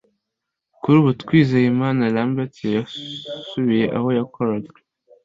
Kuri ubu Twizeyimana Lambert yasubiye aho yakoraga